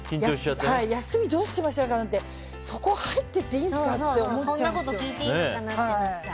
休みどうしましたかなんてそこ入っていっていいんですかって思っちゃうんですよ。